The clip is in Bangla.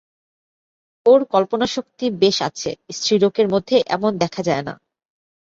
ওঁর কল্পনাশক্তি বেশ আছে, স্ত্রীলোকের মধ্যে এমন দেখা যায় না।